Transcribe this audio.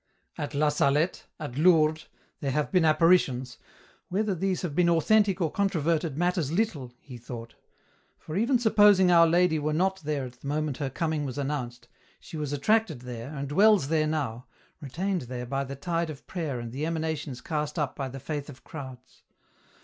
. At La Salette, at Lourdes, there have been apparitions " Whether these have been authentic or controverted matters little," he thought. For even supposing Our Lady were not thereat the moment her coming was announced, she was attracted there, and dwells there now, retained there by the tide of prayer and the emanations cast up by the faith 8o EN ROUTE. of crowds.